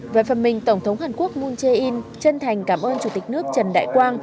về phần mình tổng thống hàn quốc moon jae in chân thành cảm ơn chủ tịch nước trần đại quang